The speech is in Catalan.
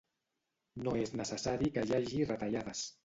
No és necessari que hi hagi retallades.